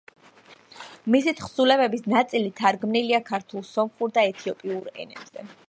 მისი თხზულებების ნაწილი თარგმნილია ქართულ, სომხურ და ეთიოპიურ ენებზე.